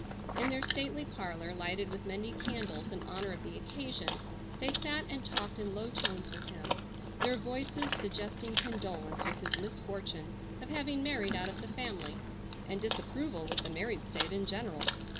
In their stately parlor lighted with many candles in honor of the occasion, they sat and talked in low tones with him, their voices suggesting condolence with his misfortune of having married out of the family, and disapproval with the married state in general.